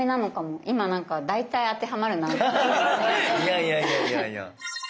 今なんかいやいやいやいやいや。